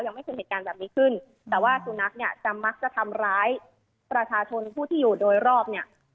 ไม่เป็นเหตุการณ์แบบนี้ขึ้นแต่ว่าสุนัขเนี่ยจะมักจะทำร้ายประชาชนผู้ที่อยู่โดยรอบเนี่ย